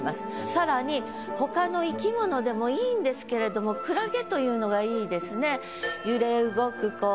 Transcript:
さらに他の生き物でもいいんですけれども海月というのがいいですね。